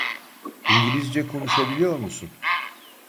İngilizce konuşabiliyor musun?